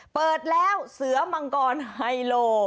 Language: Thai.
เปิดแล้วเสือมังกรไฮโล